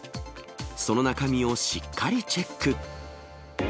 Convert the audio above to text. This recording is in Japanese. その中身をしっかりチェック。